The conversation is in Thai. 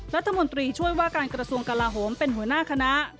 รัฐมนตรีช่วยว่าการกระทรวงกลาโหมเป็นหัวหน้าคณะ